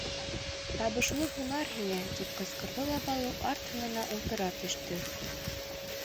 — Табышлы һунар һиңә! — тип ҡысҡырҙы ла Балу арт һанына ултыра төштө.